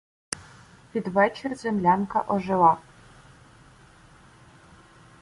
Під вечір землянка ожила.